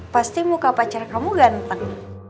pasti muka pacar kamu ganteng